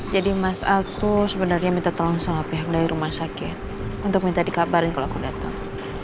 jadi mas al tuh sebenarnya minta tolong sama pihak dari rumah sakit untuk minta dikabarin kalau aku datang